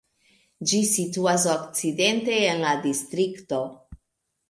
Ĝi situas okcidente en la distrikto.